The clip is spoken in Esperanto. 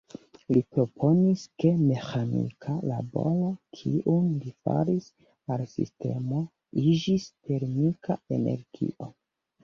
Li proponis ke meĥanika laboro, kiun li faris al sistemo, iĝis "termika energio".